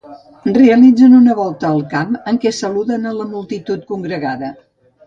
Realitzen una volta al camp en què saluden a la multitud congregada.